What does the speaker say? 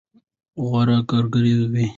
غوره کړى وي.